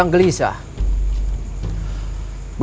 aku pergi sama dua